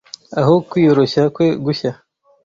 aho kwiyoroshya kwe gushya